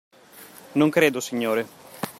Non credo, signore.